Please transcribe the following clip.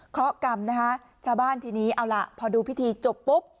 กรรมนะคะชาวบ้านทีนี้เอาล่ะพอดูพิธีจบปุ๊บ